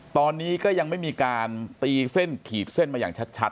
ตอนนี้ก็ยังไม่มีการตีเส้นขีดเส้นมาอย่างชัด